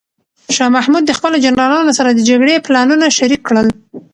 شاه محمود د خپلو جنرالانو سره د جګړې پلانونه شریک کړل.